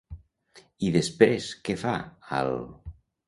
I després què fa, al.?